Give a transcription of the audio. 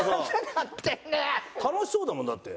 楽しそうだもんだって。